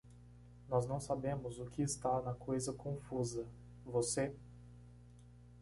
Nós não sabemos o que está na coisa confusa? você?